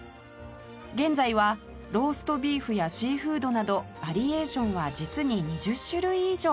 現在はローストビーフやシーフードなどバリエーションは実に２０種類以上